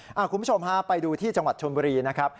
คุณผู้ชมฮะไปดูที่จังหวัดชนบุรีนะครับ